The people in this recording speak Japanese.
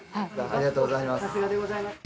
ありがとうございます。